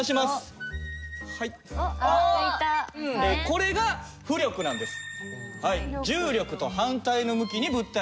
これが浮力なんです。